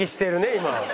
今。